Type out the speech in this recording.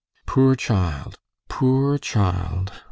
"Poor child, poor child!"